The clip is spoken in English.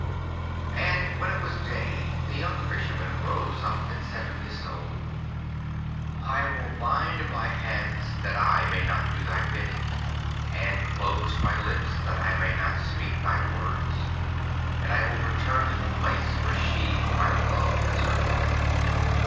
And when it was day the young Fisherman rose up and said to his Soul, 'I will bind my hands that I may not do thy bidding, and close my lips that I may not speak thy words, and I will return to the place where she whom I love has her dwelling.